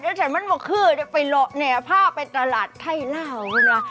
แล้วฉันมันบอกคือจะไปหลอกเนี่ยพาไปตลาดไทยเหล้านะ